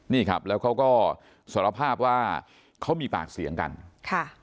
นี่ครับแล้วเขาก็สารภาพว่าเขามีปากเสียงกันค่ะ